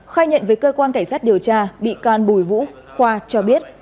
khai nhận với cơ quan cảnh sát điều tra bị can bùi vũ khoa cho biết